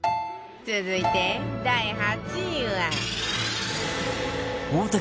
続いて第８位は